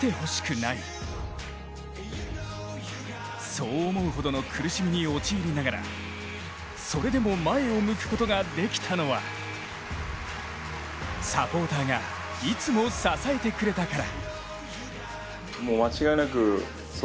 そう思うほどの苦しみに陥りながらそれでも前を向くことができたのはサポーターがいつも支えてくれたから。